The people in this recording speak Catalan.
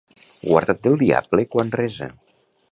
Guarda't del diable quan resa.